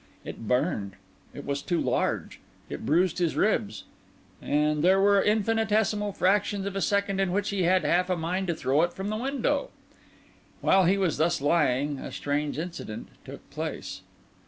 It burned, it was too large, it bruised his ribs; and there were infinitesimal fractions of a second in which he had half a mind to throw it from the window. While he was thus lying, a strange incident took place.